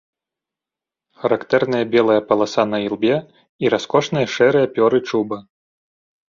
Характэрныя белая паласа на ілбе і раскошныя шэрыя пёры чуба.